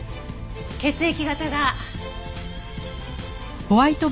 血液型が。